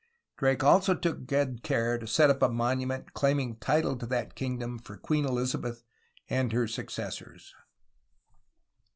Drake also took good care to set up a monument claiming title to that kingdom for Queen Elizabeth and her successors.